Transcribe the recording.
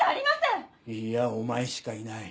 いいやお前しかいない。